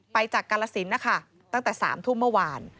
จากกาลสินนะคะตั้งแต่๓ทุ่มเมื่อวาน